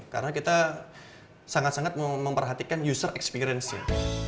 karena kita sangat memperhatikan user experience nya